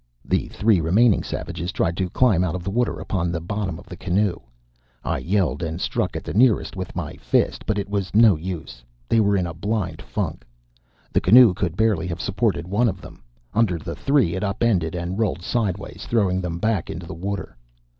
The three remaining niggers tried to climb out of the water upon the bottom of the canoe. I yelled and cursed and struck at the nearest with my fist, but it was no use. They were in a blind funk. The canoe could barely have supported one of them. Under the three it upended and rolled sidewise, throwing them back into the water.